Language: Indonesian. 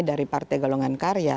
dari partai golongan karya